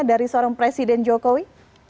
dari seorang presiden jokowi